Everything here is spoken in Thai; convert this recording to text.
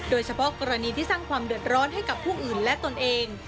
โดยเฉพาะกรณีที่สร้างความเดือดร้อนให้กับผู้อื่นและตนเอง